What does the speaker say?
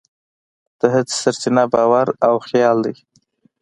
د هڅې سرچینه باور او خیال دی.